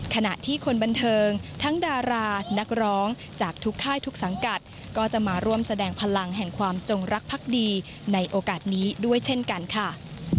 ขณะที่คนบันเทิงทั้งดารานักร้องจากทุกค่ายทุกสังกัดก็จะมาร่วมแสดงพลังแห่งความจงรักพักดีในโอกาสนี้ด้วยเช่นกันค่ะ